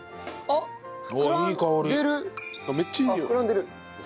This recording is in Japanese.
あっ膨らんでる。